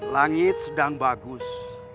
langit sedang bagus